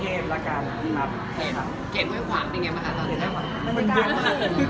เขตไว้ผวางเป็นยังไงบ้างครับ